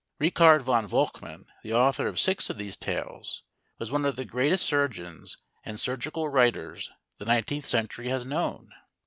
Richard von Volkman, the author of six of these tales, was one of the greatest surgeons and surgical writers the nineteenth century has known.